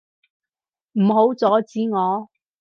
唔好阻止我！